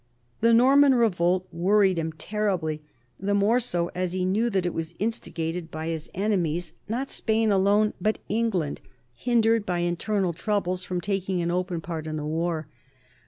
The Norman revolt worried him terribly ; the more so as he knew that it was instigated by his enemies; 282 CARDINAL DE RICHELIEU not Spain alone, but England, hindered by internal troubles from taking an open part in the war.